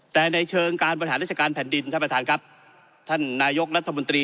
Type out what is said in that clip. แต่ในเชิงการบริหารราชการแผ่นดินท่านประธานครับท่านนายกรัฐมนตรี